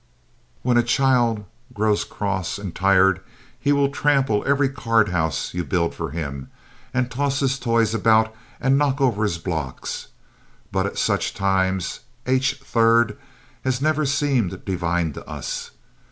When a child grows cross and tired he will trample every card house you build for him and toss his toys about and knock over his blocks, but at such times H. 3rd has never seemed divine to us.